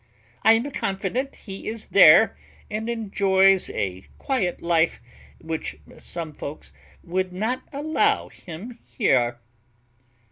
I am confident he is there, and enjoys a quiet life, which some folks would not allow him here."